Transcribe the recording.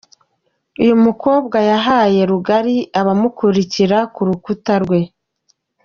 Uyu mukobwa yahaye rugari abamukurikira ku rukuta rwe